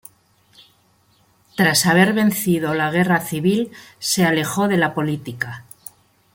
Tras haber vencido la Guerra Civil se alejó de la política.